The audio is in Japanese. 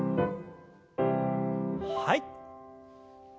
はい。